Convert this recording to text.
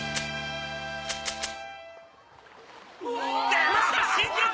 出ました新記録！